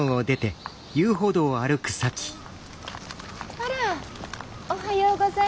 あらおはようございます。